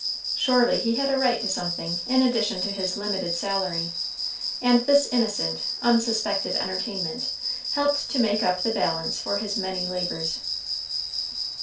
Surely he had a right to something in addition to his limited salary, and this innocent, unsuspected entertainment helped to make up the balance for his many labors.